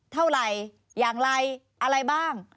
เท่าไหร่อย่างไรอะไรบ้าง